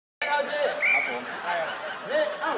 ลูกเจ้าของรายการ